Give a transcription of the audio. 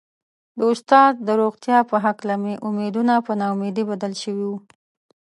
د استاد د روغتيا په هکله مې امېدونه په نا اميدي بدل شوي وو.